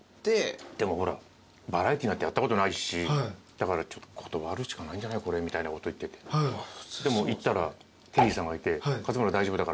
でもバラエティーなんてやったことないしだから断るしかないんじゃない？みたいなこと言っててでも行ったらテリーさんがいて。